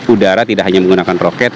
udara tidak hanya menggunakan roket